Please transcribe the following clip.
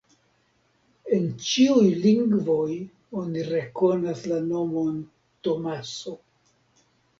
En ĉiuj lingvoj oni rekonas la nomon Tomaso.